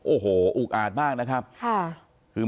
โอ้โหอุกอาจมากนะครับค่ะคือ